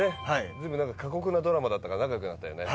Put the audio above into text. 随分なんか過酷なドラマだったから仲良くなったよね。